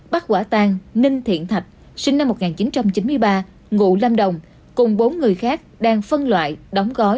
bắt quả tang ninh thiện thạch sinh năm một nghìn chín trăm chín mươi ba ngụ lâm đồng cùng bốn người khác đang phân loại đóng gói